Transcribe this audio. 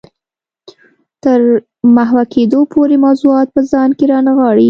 تر محوه کېدو پورې موضوعات په ځان کې رانغاړي.